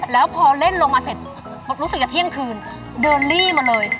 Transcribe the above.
แล้วพอเล่นลงมาเสร็จรู้สึกจะเที่ยงคืนเดินลี่มาเลย